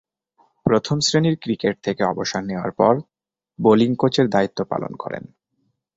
প্রথম-শ্রেণীর ক্রিকেট থেকে অবসর নেয়ার পর বোলিং কোচের দায়িত্ব পালন করেন।